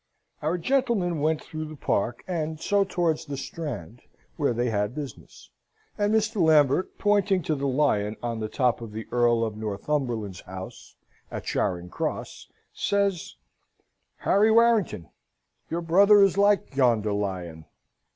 Our gentlemen went through the Park, and so towards the Strand, where they had business. And Mr. Lambert, pointing to the lion on the top of the Earl of Northumberland's house at Charing Cross, says: "Harry Warrington! your brother is like yonder lion."